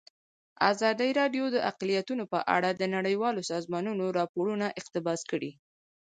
ازادي راډیو د اقلیتونه په اړه د نړیوالو سازمانونو راپورونه اقتباس کړي.